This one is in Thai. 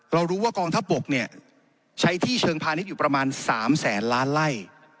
เรารู้ว่ากองทัพบกเนี่ยใช้ที่เชิงพาณิชย์อยู่ประมาณ๓แสนล้านไล่